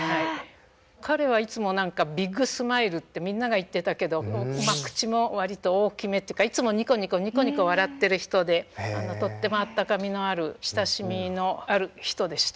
彼はいつも何かビッグスマイルってみんなが言ってたけどまあ口も割と大きめっていうかいつもニコニコニコニコ笑ってる人でとってもあったかみのある親しみのある人でした。